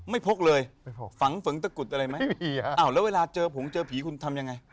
ไม่พกเลยฝังเฝิงตะกุดอะไรมั้ยหรือเปล่าอ๋อแล้วเวลาเจอผงเจอผีคุณทำอย่างไร